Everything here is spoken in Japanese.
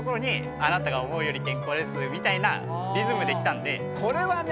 「あなたが思うより健康です」みたいなリズムで来たのでこれはね